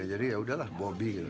jadi yaudahlah bobby